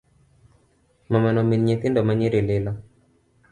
Mamano min nyithindo ma nyiri lilo.